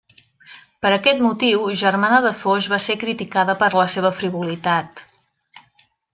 Per aquest motiu, Germana de Foix va ser criticada per la seva frivolitat.